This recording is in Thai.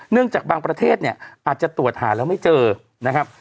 จากบางประเทศเนี่ยอาจจะตรวจหาแล้วไม่เจอนะครับ